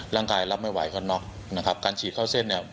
ร่างกายรับไม่ไหวก็น็อกนะครับการฉีดเข้าเส้นเนี่ย